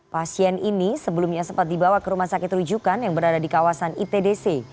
pasien ini sebelumnya sempat dibawa ke rumah sakit rujukan yang berada di kawasan itdc